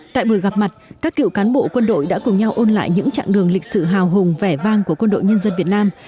tại buổi gặp mặt các cựu cán bộ quân đội đã cùng nhau ôn lại những chặng đường lịch sử hào hùng vẻ vang của quân đội nhân dân việt nam